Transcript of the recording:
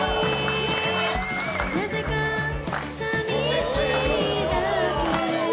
「なぜかさみしいだけ」